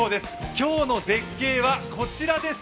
今日の絶景はこちらです。